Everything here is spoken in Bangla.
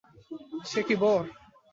সে কি বর?